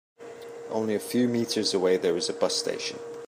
Only a few meters away there is a bus station.